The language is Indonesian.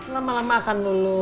lama lama akan lulu